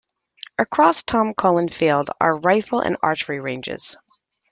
Across Tom Cullen Field are the rifle and archery ranges.